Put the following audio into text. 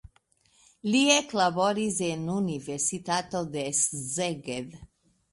Li eklaboris en universitato de Szeged.